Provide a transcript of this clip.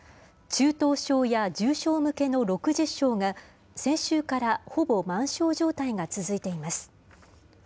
中等症や重症向けの６０床が、先週から、ほぼ満床状態が続いています。